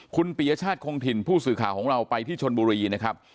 คุณปียชาติคงถิ่นผู้สื่อข่าวของเราไปที่ชนบุรีนะครับ